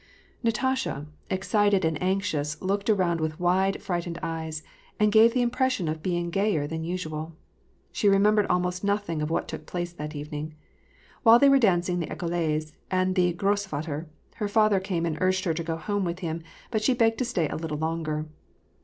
Natasha, excited and anxious, looked around with wide, frightened eyes, and gave the impression of being gayer than usual. She remembered almost nothing of whjit took place that evening. While they were dancing the Ecossaise and the Grossvater, her father came and urged her to go home with him, but she begged to stay a little longer.